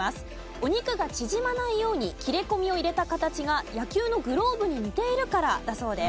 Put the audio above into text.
お肉が縮まないように切れ込みを入れた形が野球のグローブに似ているからだそうです。